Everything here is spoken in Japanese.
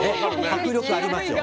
迫力ありますよ。